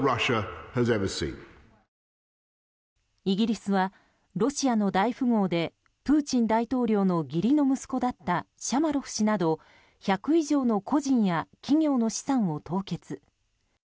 イギリスはロシアの大富豪でプーチン大統領の義理の息子だったシャマロフ氏など１００以上の個人や企業の資産を凍結。